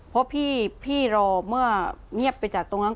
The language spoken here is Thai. เพราะพี่รอเมื่อเงียบไปจากตรงนั้น